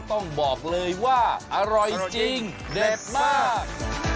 ต้องบอกเลยว่าอร่อยจริงเด็ดมาก